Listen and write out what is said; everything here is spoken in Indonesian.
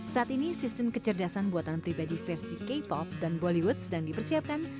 saat ini sistem kecerdasan buatan pribadi versi k pop dan bollywood sedang dipersiapkan